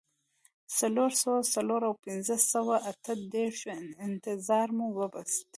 د څلور سوه څلور او پنځه سوه اته دیرشو انتظار مو وېست.